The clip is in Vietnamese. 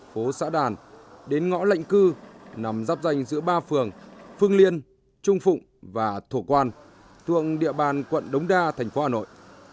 phố xã đàn đến ngõ lệnh cư nằm giáp danh giữa ba phường phương liên trung phụng và thổ quan thuộc địa bàn quận đống đa thành phố hà nội